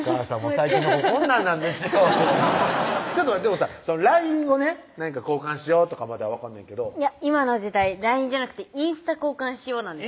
最近の子こんなんなんですよちょっとでもさＬＩＮＥをね交換しようとかまだ分かんねんけど今の時代ＬＩＮＥじゃなくてインスタ交換しようなんですよ